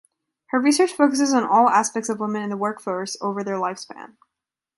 Her research focuses on all aspects of women in the workforce over their lifespan.